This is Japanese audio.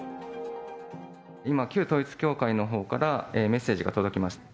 今、旧統一教会のほうからメッセージが届きました。